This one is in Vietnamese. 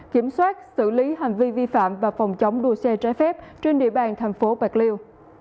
kiểm soát xử lý hành vi vi phạm và phòng chống đua xe trái phép trên địa bàn thành phố bạc liêu